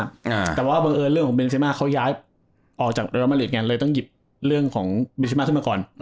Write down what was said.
อ่าแต่ว่าบังเอิญเรื่องของเบนเซมาเขาย้ายออกจากเรมาริดไงเลยต้องหยิบเรื่องของเบชิมาขึ้นมาก่อน